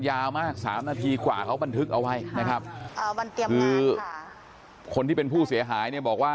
ยาวมาก๓นาทีกว่าเขาบันทึกเอาไว้คนที่เป็นผู้เสียหาย